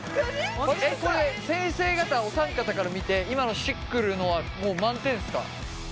これ先生方お三方から見て今のしっくるのはもう満点ですか？